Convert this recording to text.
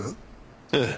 ええ。